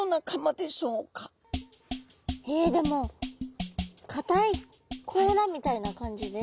えでも硬い甲羅みたいな感じで。